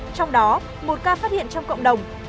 trong đó một ca phát hiện trong cộng đồng